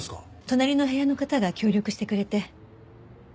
隣の部屋の方が協力してくれて。